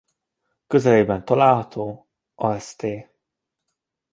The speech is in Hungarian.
Közelében található a Szt.